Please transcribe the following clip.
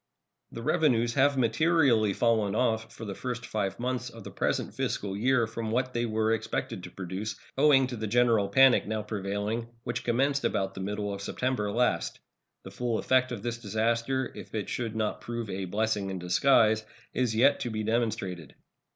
The revenues have materially fallen off for the first five months of the present fiscal year from what they were expected to produce, owing to the general panic now prevailing, which commenced about the middle of September last. The full effect of this disaster, if it should not prove a "blessing in disguise," is yet to be demonstrated.